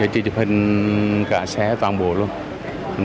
chỉ chụp hình cả xe toàn bộ luôn